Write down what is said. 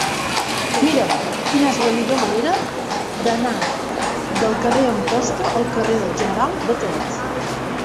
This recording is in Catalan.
Mira'm quina és la millor manera d'anar del carrer d'Amposta al carrer del General Batet.